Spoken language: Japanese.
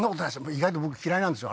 意外と僕嫌いなんですよ